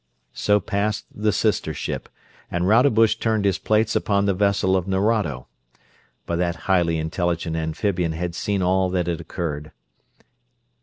So passed the sister ship, and Rodebush turned his plates upon the vessel of Nerado. But that highly intelligent amphibian had seen all that had occurred.